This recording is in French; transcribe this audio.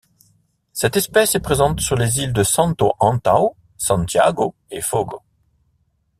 Cette espèce est présente sur les îles de Santo Antão, Santiago et Fogo.